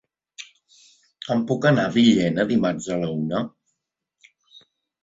Com puc anar a Villena dimarts a la una?